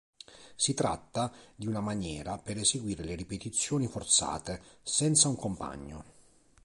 Si tratta di una maniera per eseguire le ripetizioni forzate senza un compagno.